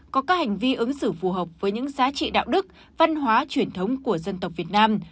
có các hành vi ứng xử phù hợp với những giá trị đạo đức văn hóa truyền thống của dân tộc việt nam